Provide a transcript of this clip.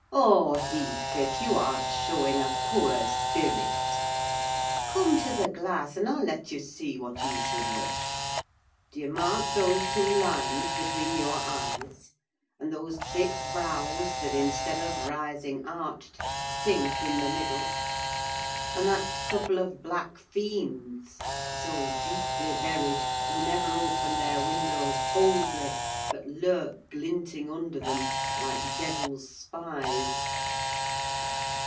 Oh, Heathcliff, you are showing a poor spirit! Come to the glass, and I'll let you see what you should wish. Do you mark those two lines between your eyes; and those thick brows, that, instead of rising arched, sink in the middle; and that couple of black fiends, so deeply buried, who never open their windows boldly, but lurk glinting under them, like devil's spies?